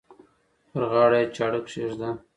پر غاړه یې چاړه کښېږده.